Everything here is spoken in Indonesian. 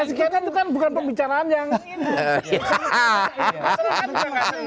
sekian kan bukan pembicaraan yang